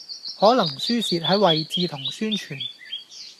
可能輸蝕喺位置同宣傳